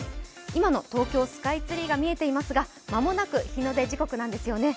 今の東京スカイツリーが見えていますが間もなく日の出時刻なんですよね。